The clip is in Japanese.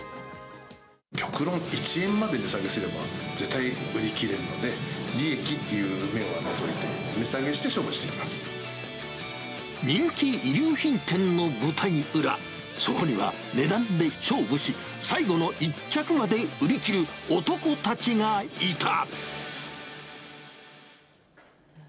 極論１円まで値下げすれば、絶対に売り切れるので、利益っていう面は除いて、値下げして勝負そこには値段で勝負し、最後の１着まで売り切る男たちがいた。